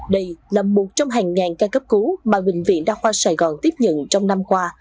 đây là một trong hàng ngàn ca cấp cứu mà bệnh viện đa khoa sài gòn tiếp nhận trong năm qua